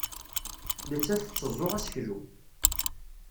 Nettat tetteẓẓu aseklu.